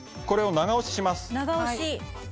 長押し。